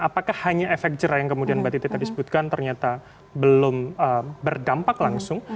apakah hanya efek jerah yang kemudian batin kita disebutkan ternyata belum berdampak langsung